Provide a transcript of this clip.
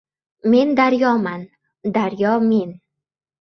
• Men — daryoman, daryo — men.